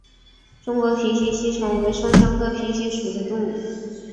中国平形吸虫为双腔科平形属的动物。